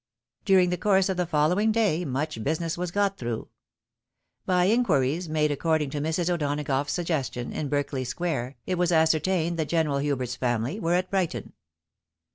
During the course of the following day much business was got through. By inquiries made according to Mrs. O'Dona gough's suggestion in Berkeley square, it was ascertained that General Hubert's family were at Brighton.